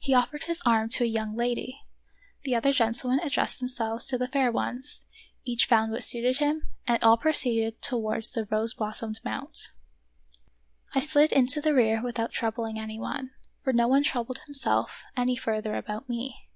He offered his arm to a young lady; the other gentlemen addressed themselves to other fair ones; each found what suited him, and all proceeded towards the rose blossomed mount. I slid into the rear without troubling any one, for no one troubled himself any further about me.